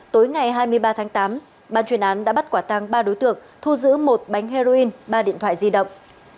tối ngày hai mươi ba tháng tám ban chuyên án đã bắt quả tăng ba đối tượng thu giữ một bánh heroin ba điện thoại di động